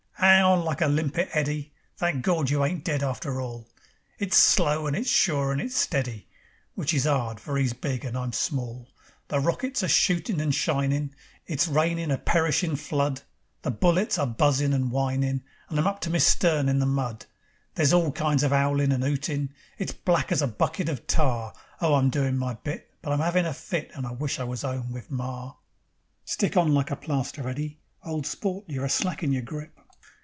"'Ang on like a limpet, Eddy. Thank Gord! you ain't dead after all." It's slow and it's sure and it's steady (Which is 'ard, for 'e's big and I'm small). The rockets are shootin' and shinin', It's rainin' a perishin' flood, The bullets are buzzin' and whinin', And I'm up to me stern in the mud. There's all kinds of 'owlin' and 'ootin'; It's black as a bucket of tar; Oh, I'm doin' my bit, But I'm 'avin' a fit, And I wish I was 'ome wiv Mar. "Stick on like a plaster, Eddy. Old sport, you're a slackin' your grip."